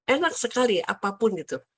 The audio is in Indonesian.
enak sekali apapun gitu